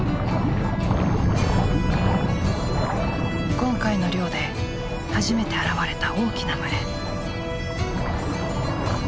今回の漁で初めて現れた大きな群れ。